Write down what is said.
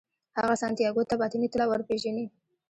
هغه سانتیاګو ته باطني طلا ورپېژني.